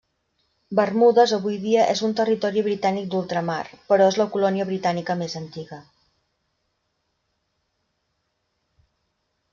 Bermudes avui dia és un Territori Britànic d'Ultramar, però és la colònia britànica més antiga.